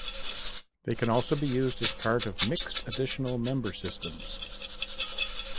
They can also be used as part of mixed additional member systems.